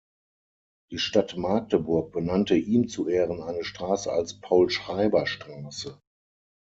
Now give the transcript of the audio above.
Die Stadt Magdeburg benannte ihm zu Ehren eine Straße als Paul-Schreiber-Straße.